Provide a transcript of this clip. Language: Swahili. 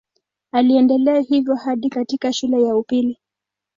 Aliendelea hivyo hadi katika shule ya upili.